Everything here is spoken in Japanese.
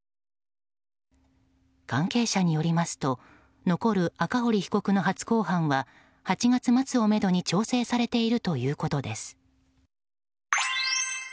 関係者によりますと残る赤堀被告の初公判は８月末をめどに調整されているということです。